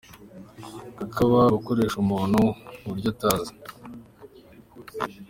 Kakaba gakoresha umuntu mu buryo atazi.